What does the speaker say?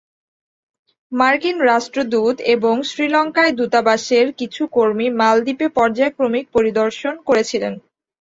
মার্কিন রাষ্ট্রদূত এবং শ্রীলঙ্কায় দূতাবাসের কিছু কর্মী মালদ্বীপে পর্যায়ক্রমিক পরিদর্শন করেছিলেন।